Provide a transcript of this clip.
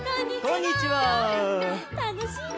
たのしいね。